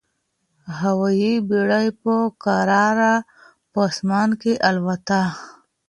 هوايي بېړۍ په کراره په اسمان کي البوته.